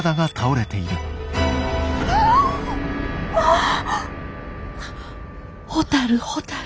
あっ！